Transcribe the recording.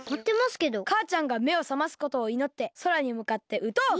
かあちゃんがめをさますことをいのってそらにむかってうとう！